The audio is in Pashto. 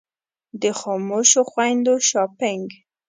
د خاموشو خویندو شاپنګ.